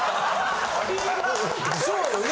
そうよね。